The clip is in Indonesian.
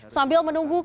sambil menunggu kembali